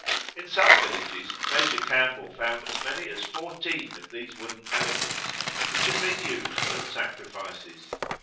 In some villages Major Campbell found as many as fourteen of these wooden elephants, which had been used at sacrifices.